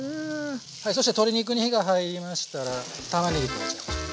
そして鶏肉に火が入りましたらたまねぎ加えちゃいましょう。